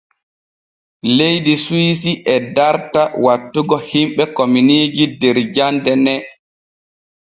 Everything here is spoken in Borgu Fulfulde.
Leydi Suwisi e darta wattugo himɓe kominiiji der jande ne.